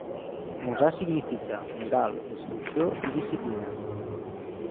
Musar significa: moral, instrucció, i disciplina.